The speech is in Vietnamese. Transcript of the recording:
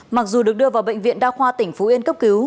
mặc dù được đưa vào bệnh viện đa khoa tỉnh phú yên cấp cứu